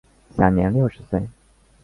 享年六十岁。